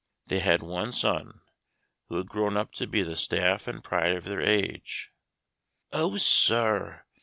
They had one son, who had grown up to be the staff and pride of their age. "Oh, sir!"